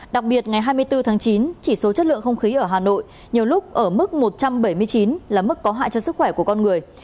đặc biệt ngày hai mươi bốn tháng chín chỉ số chất lượng không khí ở hà nội nhiều lúc ở mức một trăm bảy mươi chín là mức có hại cho sức khỏe của con người